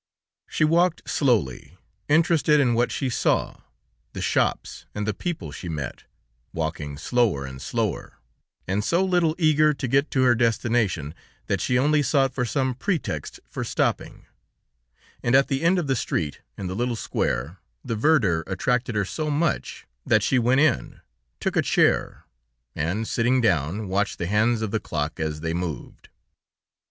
She walked slowly, interested in what she saw, the shops and the people she met, walking slower and slower, and so little eager to get to her destination that she only sought for some pretext for stopping, and at the end of the street, in the little square, the verdure attracted her so much, that she went in, took a chair, and, sitting down, watched the hands of the clock as they moved.